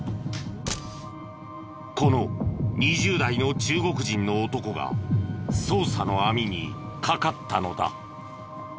この２０代の中国人の男が捜査の網にかかったのだ。